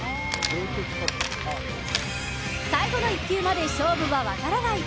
最後の１球まで勝負は分からない。